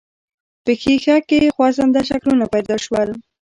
په ښيښه کې خوځنده شکلونه پيدا شول.